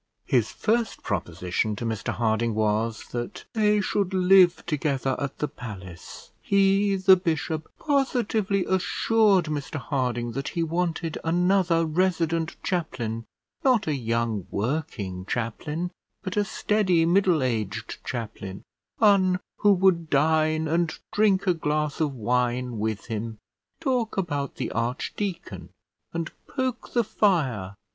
His first proposition to Mr Harding was, that they should live together at the palace. He, the bishop, positively assured Mr Harding that he wanted another resident chaplain, not a young working chaplain, but a steady, middle aged chaplain; one who would dine and drink a glass of wine with him, talk about the archdeacon, and poke the fire.